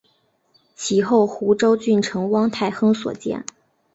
其后湖州郡丞汪泰亨所建。